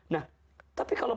nah tapi kalau